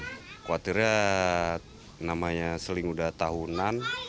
khawatirnya seling udah tahunan